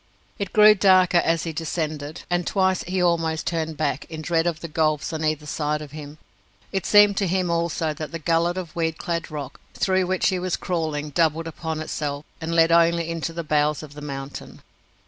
It grew darker as he descended, and twice he almost turned back in dread of the gulfs on either side of him. It seemed to him, also, that the gullet of weed clad rock through which he was crawling doubled upon itself, and led only into the bowels of the mountain.